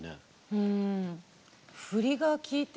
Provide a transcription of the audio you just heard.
うん。